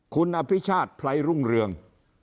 คุณอภิชาติไพรรุ่งเรือง